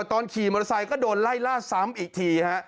ตอนขี่มอเตอร์ไซค์ก็โดนไล่ล่าซ้ำอีกทีฮะ